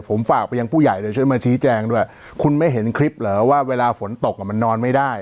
ผมฝากไปยังผู้ใหญ่เลยช่วยมาชี้แจงด้วยคุณไม่เห็นคลิปเหรอว่าเวลาฝนตกอ่ะมันนอนไม่ได้